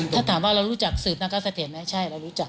ถ้าถามว่าเรารู้จักสืบนักการเสถียรไหมใช่เรารู้จัก